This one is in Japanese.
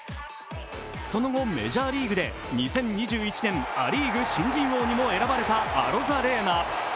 その後、メジャーリーグで２０２１年ア・リーグ新人王にも選ばれたアロザレーナ。